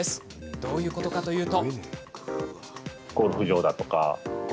どういうことかというと。